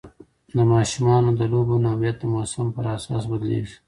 د ماشومانو د لوبو نوعیت د موسم پر اساس بدلېږي.